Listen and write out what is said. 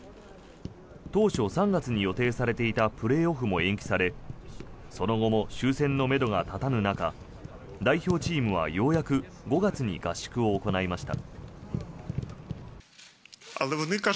当初３月に予定されていたプレーオフも延期されその後も終戦のめどが立たぬ中代表チームはようやく５月に合宿を行いました。